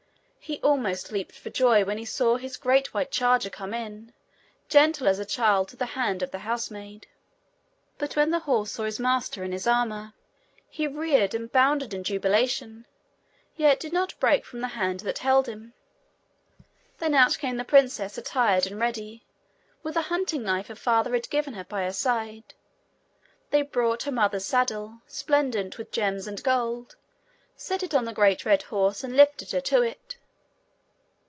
He almost leaped for joy when he saw his great white charger come in, gentle as a child to the hand of the housemaid. But when the horse saw his master in his armour, he reared and bounded in jubilation, yet did not break from the hand that held him. Then out came the princess attired and ready, with a hunting knife her father had given her by her side. They brought her mother's saddle, splendent with gems and gold, set it on the great red horse, and lifted her to it.